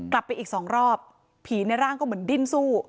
กลับไปอีกสองรอบผีในร่างก็เหมือนดิ้นสู้